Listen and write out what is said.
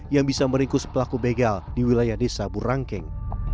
yang bisa meringkus pelaku begal di wilayah desa burangkeng